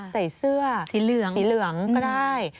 ใส่เสื้อสีเหลืองก็ได้